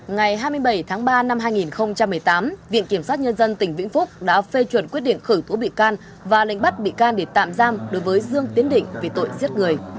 ngày hai mươi bảy tháng ba năm hai nghìn một mươi tám viện kiểm sát nhân dân tỉnh vĩnh phúc đã phê chuẩn quyết định khởi tố bị can và lệnh bắt bị can để tạm giam đối với dương tiến định về tội giết người